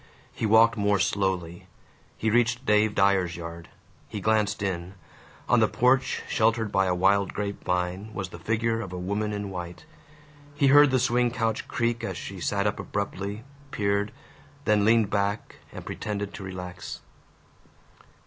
He walked more slowly. He reached Dave Dyer's yard. He glanced in. On the porch, sheltered by a wild grape vine, was the figure of a woman in white. He heard the swing couch creak as she sat up abruptly, peered, then leaned back and pretended to relax.